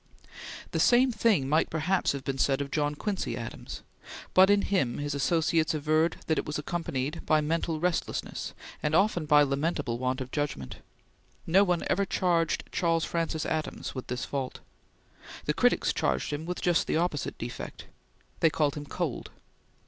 The same thing might perhaps have been said of John Quincy Adams, but in him his associates averred that it was accompanied by mental restlessness and often by lamentable want of judgment. No one ever charged Charles Francis Adams with this fault. The critics charged him with just the opposite defect. They called him cold.